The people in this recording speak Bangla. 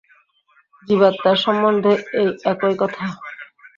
জীবাত্মা সম্বন্ধে এই একই কথা।